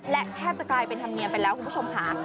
และแทบจะกลายเป็นธรรมเนียมไปแล้วคุณผู้ชมค่ะ